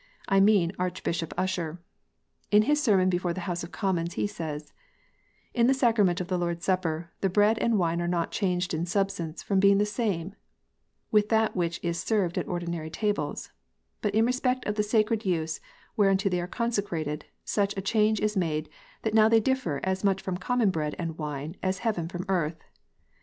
I mean Archbishop Usher. In his sermon before the House of Commons, he says: "In the sacrament of the Lord s Supper, the bread and wine are not changed in substance from being the same with that which is served at ordinary tables ; but in respect of the sacred use whereunto they are consecrated, such a change is made that now they differ as much from common bread and wine as heaven from earth.